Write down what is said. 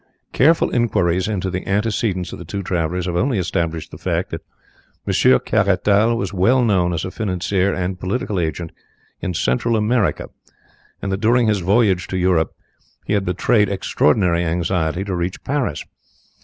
Careful inquiries into the antecedents of the two travellers have only established the fact that Monsieur Caratal was well known as a financier and political agent in Central America, and that during his voyage to Europe he had betrayed extraordinary anxiety to reach Paris.